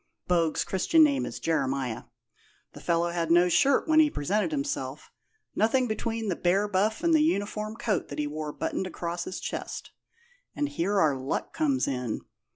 (Bogue's Christian name is Jeremiah). The fellow had no shirt when he presented himself nothing between the bare buff and the uniform coat that he wore buttoned across his chest. And here our luck comes in.